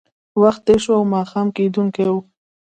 وخت تېر شو او ماښام کېدونکی و